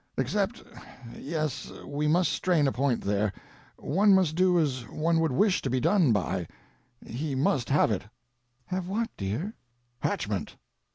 Except—yes, we must strain a point there—one must do as one would wish to be done by—he must have it." "Have what, dear?" "Hatchment."